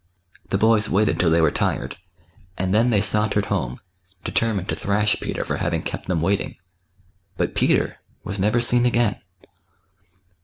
The boys waited till they were tired, and then they sauntered home, determined to thrash Peter for having kept them waiting. But Peter was never seen again.